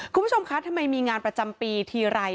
คุณผู้ชมคะทำไมมีงานประจำปีทีไร